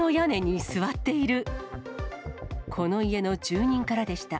この家の住人からでした。